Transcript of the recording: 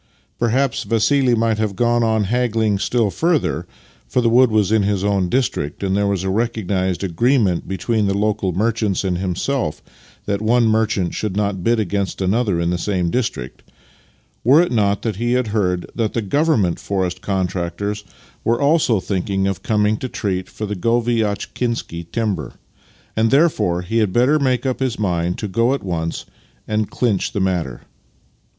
Perhaps Vassih might have gone on haggling still further (for the wood was in his own district, and there was a recognized agreement between the local merchants and himself that one merchant should not bid against another in the same district), were it not that he had heard that the Government forest contractors were also thinking of coming to treat for the Goviatchkinsky timber, and therefore he had better make up his mind to go at once and clinch the matter.